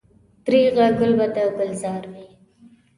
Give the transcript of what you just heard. درېغه ګل به د ګلزار وي.